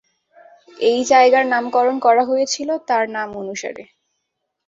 এই জায়গার নামকরণ করা হয়েছিলো তার নাম অনুসারে।